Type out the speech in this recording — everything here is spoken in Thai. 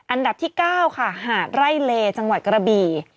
อันดับที่๙ค่ะหาดไร่เลจังหวัดกระบี่